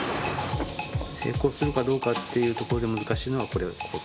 成功するかどうかっていうところで難しいのはこれ。